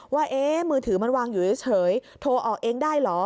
ว่ามือถือมันวางอยู่เฉยโทรออกเองได้เหรอ